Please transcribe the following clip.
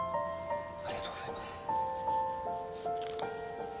ありがとうございます。